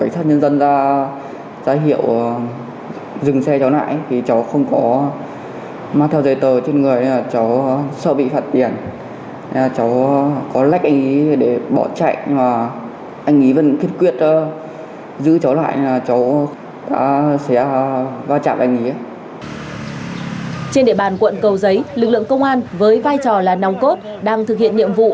trên địa bàn quận cầu giấy lực lượng công an với vai trò là nòng cốt đang thực hiện nhiệm vụ